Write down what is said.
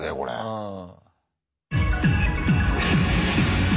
うん。